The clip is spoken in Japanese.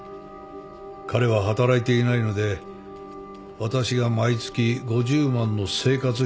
彼は働いていないので私が毎月５０万の生活費を渡していました。